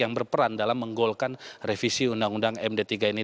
yang berperan dalam menggolkan revisi undang undang md tiga ini